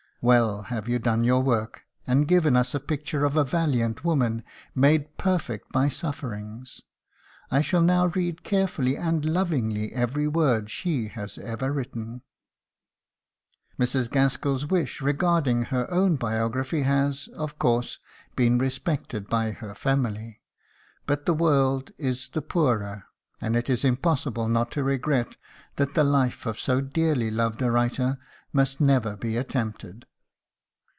Well have you done your work, and given us a picture of a valiant woman made perfect by sufferings. I shall now read carefully and lovingly every word she has written." Mrs. Gaskell's wish regarding her own biography has, of course, been respected by her family; but the world is the poorer, and it is impossible not to regret that the life of so dearly loved a writer must never be attempted.